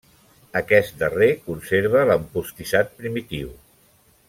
Aquest darrer conserva l'empostissat primitiu.